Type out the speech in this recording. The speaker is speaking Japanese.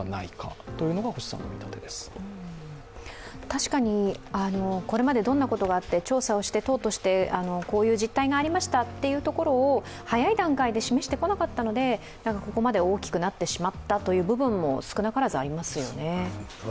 確かにこれまでどんなことがあって、調査をして党としてこういう実態がありましたというところを早い段階で示してこなかったので、ここまで大きくなってしまった部分も少なからずありますよね。